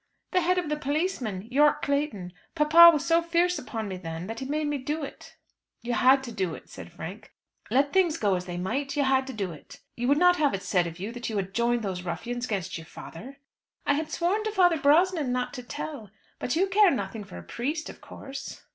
"The head of the policemen, Yorke Clayton. Papa was so fierce upon me then, that he made me do it." "You had to do it," said Frank. "Let things go as they might, you had to do it. You would not have it said of you that you had joined these ruffians against your father." "I had sworn to Father Brosnan not to tell. But you care nothing for a priest, of course."